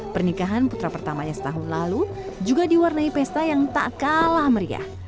pernikahan putra pertamanya setahun lalu juga diwarnai pesta yang tak kalah meriah